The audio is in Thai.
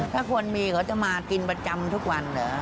ถ้าคนมีเขาจะมากินประจำทุกวันเหรอ